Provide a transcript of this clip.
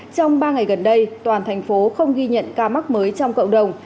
trong ba ngày gần đây toàn thành phố không ghi nhận ca mắc mới trong cộng đồng